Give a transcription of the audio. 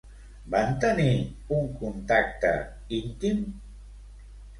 Van tenir un contacte íntim?